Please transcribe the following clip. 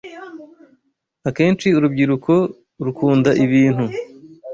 Akenshi urubyiruko rukunda ibintu,